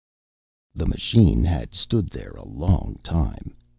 TEICHNER The machine had stood there a long time.